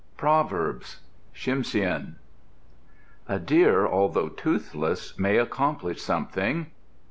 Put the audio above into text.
PROVERBS Tsimshian A deer, although toothless, may accomplish something.